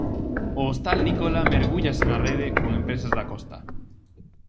O hostal Nicola mergúllase na rede con Empresas da Costa.